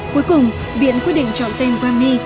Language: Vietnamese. cuối cùng viện quyết định chọn tên grammy